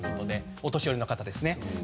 お年寄りの方ですね。